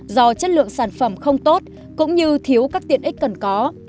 do chất lượng sản phẩm không tốt cũng như thiếu các tiện ích cần có